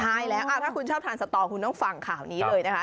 ใช่แล้วถ้าคุณชอบทานสตอคุณต้องฟังข่าวนี้เลยนะคะ